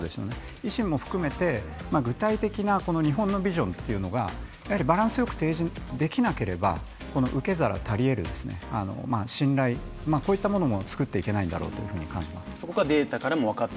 維新も含めて具体的な日本のビジョンというのがバランスよく提示できなければ受け皿たり得る信頼も作っていけないんだろうと感じます。